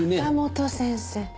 坂本先生。